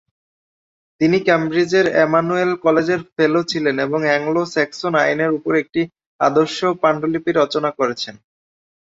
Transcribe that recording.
তিনি ক্যামব্রিজের এমানুয়েল কলেজের ফেলো ছিলেন এবং অ্যাংলো স্যাক্সন আইনের উপর একটি আদর্শ পান্ডুলিপি রচনা করেছেন।